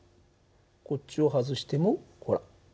こっちを外してもほら。